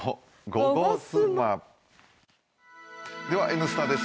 「Ｎスタ」です。